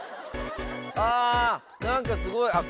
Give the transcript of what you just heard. あ何かすごい。